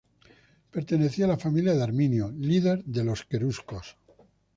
Pertenecía a la familia de Arminio, líder de los queruscos.